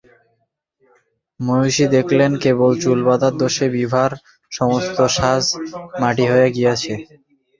মহিষী দেখিলেন, কেবল চুল বাঁধার দোষে বিভার সমস্ত সাজ মাটি হইয়া গিয়াছে।